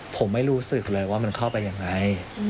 ผมไม่รู้สึกเลยว่ามันเข้าไปยังไง